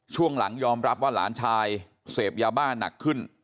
ช่วงหลังยอมรับว่าหลานชายเสพยาบ้านหนักขึ้น